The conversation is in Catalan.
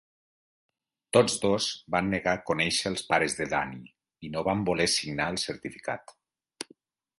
Tots dos van negar conèixer els pares de Danny, i no van voler signar el certificat.